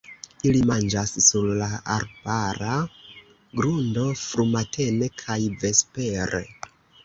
Ili manĝas sur la arbara grundo frumatene kaj vespere.